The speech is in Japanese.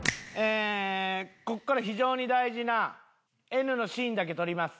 ここから非常に大事なＮのシーンだけ撮ります。